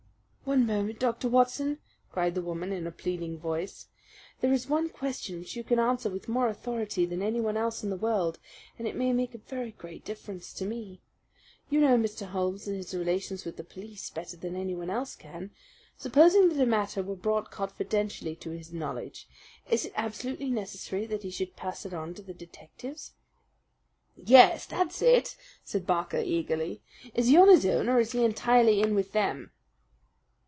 "One moment, Dr. Watson," cried the woman in a pleading voice. "There is one question which you can answer with more authority than anyone else in the world, and it may make a very great difference to me. You know Mr. Holmes and his relations with the police better than anyone else can. Supposing that a matter were brought confidentially to his knowledge, is it absolutely necessary that he should pass it on to the detectives?" "Yes, that's it," said Barker eagerly. "Is he on his own or is he entirely in with them?"